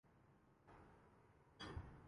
وہ مملکت جانے۔